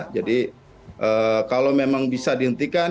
jadi kalau memang bisa dihentikan